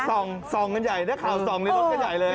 ส่องส่องกันใหญ่นักข่าวส่องในรถกันใหญ่เลย